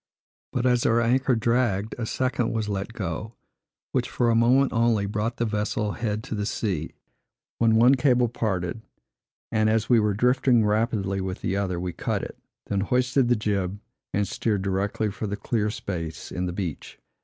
But as our anchor dragged, a second was let go, which, for a moment only, brought the vessel head to the sea, when one cable parted; and as we were drifting rapidly with the other, we cut it, then hoisted the jib, and steered directly for the clear space in the beach.